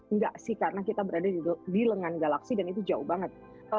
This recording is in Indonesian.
enggak sih karena kita berada di lengan galaksi dan itu jauh banget